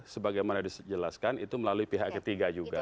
sebagaimana dijelaskan itu melalui pihak ketiga juga